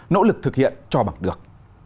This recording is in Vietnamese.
nỗ lực thực hiện cho bằng được